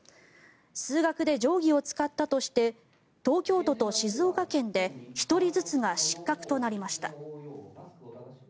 数学で定規を使ったとして東京都と静岡県で１人ずつが失格となりました。